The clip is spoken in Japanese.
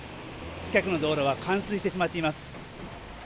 近くの道路は冠水してしまっています。